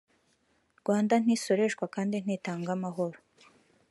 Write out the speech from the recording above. rwanda ntisoreshwa kandi ntitanga amahoro